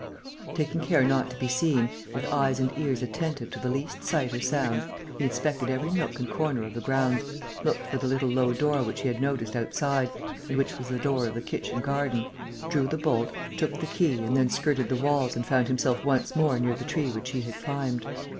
Taking care not to be seen, with eyes and ears attentive to the least sight or sound, he inspected every nook and corner of the grounds, looked for the little low door which he had noticed outside and which was the door of the kitchen garden, drew the bolt, took the key and then skirted the walls and found himself once more near the tree which he had climbed.